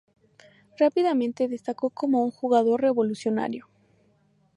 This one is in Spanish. Rápidamente destacó como un jugador revolucionario.